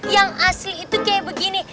yang asli itu kayak begini